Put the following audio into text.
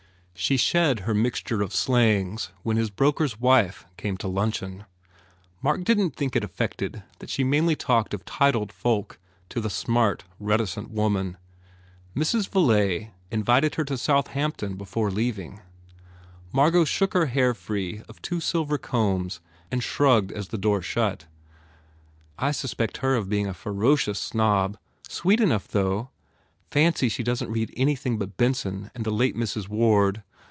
She shed her mixture of slangs when his broker s wife came to luncheon. Mark didn t think it affected that she mainly talked of titled folk to the smart, reticent woman. Mrs. Villay invited her to Southampton before leaving. Margot shook her hair free of two silver combs and shrugged as the front door shut. "I suspect her of being a ferocious snob. Sweet enough, though. Fancy she doesn t read anything but Benson and the late Mrs. Ward.